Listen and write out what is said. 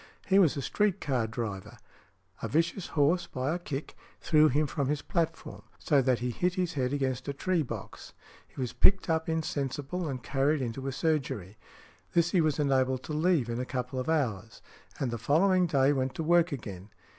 He was a street car driver; a vicious horse by a kick threw him from his platform, so that he hit his head against a tree box. He was picked up insensible and carried into a surgery; this he was enabled to leave |165| in a couple of hours, and the following day went to work again.